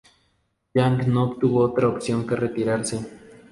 Yang no tuvo otra opción que retirarse.